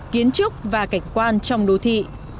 kiến trúc và cảnh quan trong đô thị